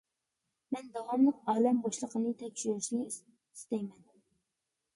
مەن داۋاملىق ئالەم بوشلۇقىنى تەكشۈرۈشنى ئىستەيمەن.